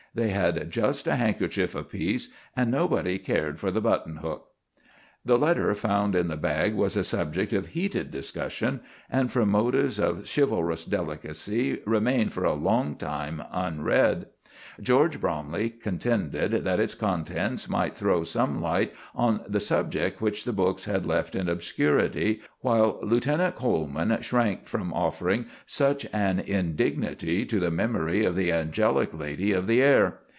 They had just a handkerchief apiece, and nobody cared for the button hook. The letter found in the bag was a subject of heated discussion, and from motives of chivalrous delicacy remained for a long time unread. George Bromley contended that its contents might throw some light on the subject which the books had left in obscurity, while Lieutenant Coleman shrank from offering such an indignity to the memory of the angelic lady of the air.